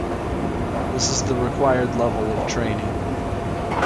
This is the required level of training.